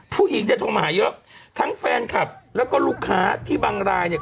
ผู้หญิงเนี่ยโทรมาหาเยอะทั้งแฟนคลับแล้วก็ลูกค้าที่บางรายเนี่ย